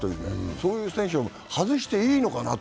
そういう選手を外していいのか。